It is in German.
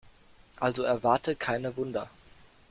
Also erwarte keine Wunder.